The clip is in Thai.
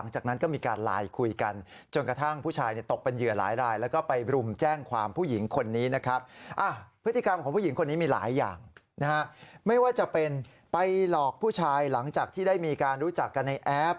ไหมว่าจะเป็นไปหลอกผู้ชายหลังจากที่ได้มีการรู้จักกันในแอป